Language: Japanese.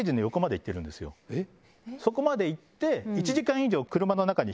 そこまで行って。